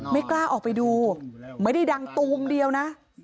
ไม่กล้าออกไปดูไม่ได้ดังตูมเดียวนะ